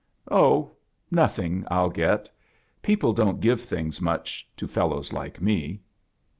"Oh— nothing VU get People don't give things much to fellows like me."